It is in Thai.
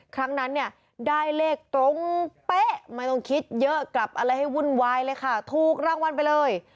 ครั้งนั้นเนี่ยได้เลขตรงเป๊ะไม่ต้องคิดเยอะกลับอะไรให้วุ่นวายเลยค่ะถูกรางวัลไปเลย